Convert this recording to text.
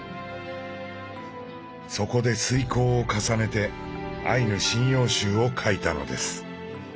そこで推敲を重ねて「アイヌ神謡集」を書いたのです。